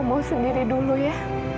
mau sendiri dulu ya